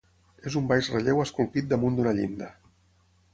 És un baix relleu esculpit damunt d'una llinda.